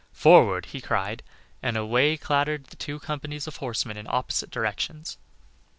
"Forward!" he cried, and away clattered the two companies of horsemen in opposite directions.